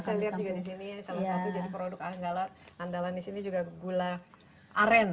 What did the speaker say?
saya lihat juga di sini salah satu dari produk anggala andalan di sini juga gula aren